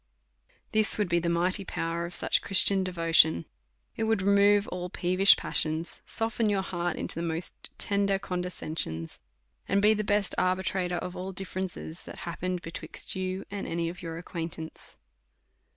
This Avould be the mighty power of such Christian devotion ; it would remove all peevish passions, soften your heart into the most tender condescensions, and be the best arbitrator of all differences that happened between you and any of your acquaintance.